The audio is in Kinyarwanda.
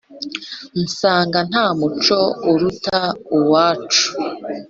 nsanga nta muco uruta uwacu